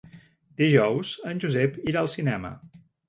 Dijous en Josep irà al cinema.